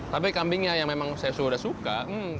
tapi kambingnya yang memang saya sudah suka